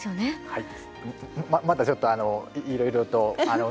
はい。